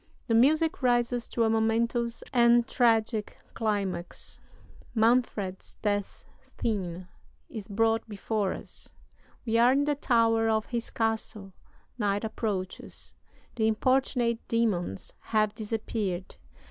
The music rises to a momentous and tragic climax. Manfred's death scene is brought before us. We are in the tower of his castle. Night approaches. The importunate demons have disappeared.